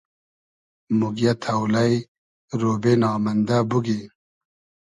موگیۂ تۆلݷ , رۉبې نامئندۂ بوگی